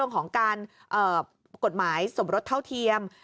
สิ่งของกฎหมายสมรสเท่าเทียม